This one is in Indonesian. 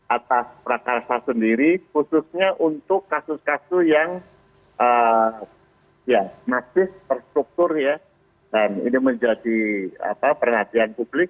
atas prakarsa sendiri khususnya untuk kasus kasus yang masih terstruktur ya dan ini menjadi perhatian publik